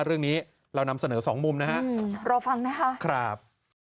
เรื่องนี้เรานำเสนอสองมุมนะฮะรอฟังนะคะครับ